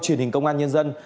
do truyền hình công an nhân dân